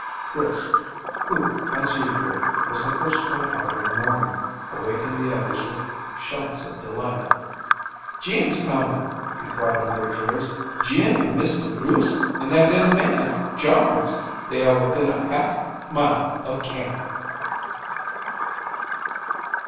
Chris, who, as usual, was the first one out in the morning, awakened the others with shouts of delight. "Jim's coming," he cried in their ears. "Jim an' Mr. Bruce and that little man, Jones. They are within a half mile of camp."